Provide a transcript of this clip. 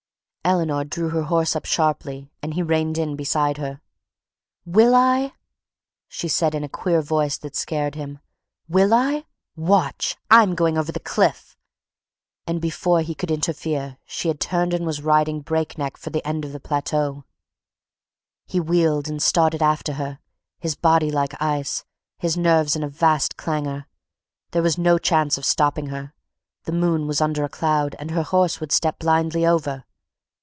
Eleanor drew her horse up sharply and he reined in beside her. "Will I?" she said in a queer voice that scared him. "Will I? Watch! I'm going over the cliff!" And before he could interfere she had turned and was riding breakneck for the end of the plateau. He wheeled and started after her, his body like ice, his nerves in a vast clangor. There was no chance of stopping her. The moon was under a cloud and her horse would step blindly over.